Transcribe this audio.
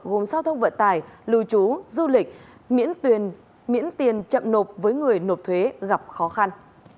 gồm giao thông vận tải lưu trú du lịch miễn tiền chậm nộp với người nộp thuế gặp khó khăn